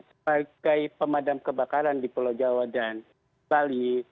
sebagai pemadam kebakaran di pulau jawa dan bali